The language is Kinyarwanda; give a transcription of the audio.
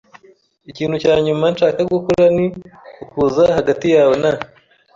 Ikintu cya nyuma nshaka gukora ni ukuza hagati yawe na .